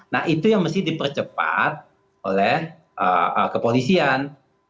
nah itu yang mesti dipercepat oleh kepolisian